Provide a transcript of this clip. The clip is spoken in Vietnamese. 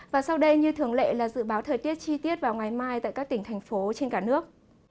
và sau đây như thường lệ là dự báo thời tiết chi tiết vào ngày mai tại các tỉnh thành phố trên cả nước